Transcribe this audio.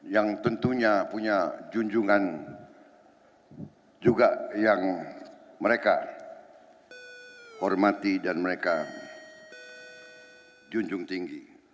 yang tentunya punya junjungan juga yang mereka hormati dan mereka junjung tinggi